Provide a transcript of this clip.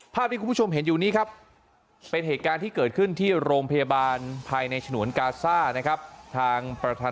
ภาพที่คุณผู้ชมเห็นอยู่นี้ครับเป็นเหตุการณ์ที่เกิดขึ้นที่โรงพยาบาลภายในฉนวนกาซ่านะครับทางประธานภดีของอิสราเอลขอภายในของปาเลสไตล์นะครับ